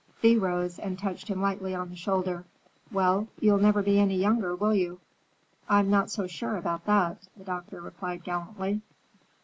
Thea rose and touched him lightly on the shoulder. "Well, you'll never be any younger, will you?" "I'm not so sure about that," the doctor replied gallantly.